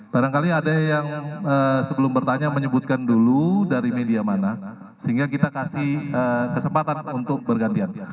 barangkali ada yang sebelum bertanya menyebutkan dulu dari media mana sehingga kita kasih kesempatan untuk bergantian